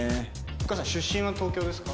ゆかさん出身は東京ですか？